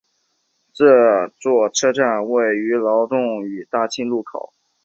这座车站位于劳动路与大庆路口。